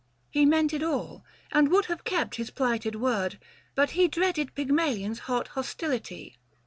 He meant it all, 620 And would have kept his plighted word, but he Dreaded Pygmalion's hot hostility.